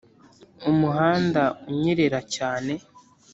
umuhanda unyerera cyane